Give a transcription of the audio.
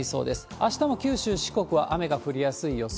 あしたも九州、四国は雨が降りやすい予想。